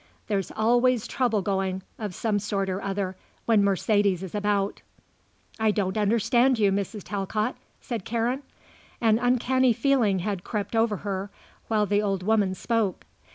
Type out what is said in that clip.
There's always trouble going, of some sort or other, when Mercedes is about." "I don't understand you, Mrs. Talcott," said Karen. An uncanny feeling had crept over her while the old woman spoke.